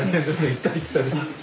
行ったり来たり。